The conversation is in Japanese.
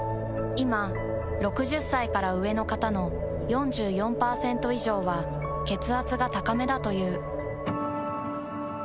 いま６０歳から上の方の４４％以上は血圧が高めだという。